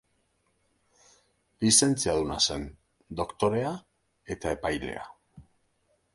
Lizentziaduna zen, doktorea eta epailea.